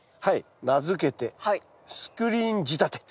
名付けてスクリーン仕立て。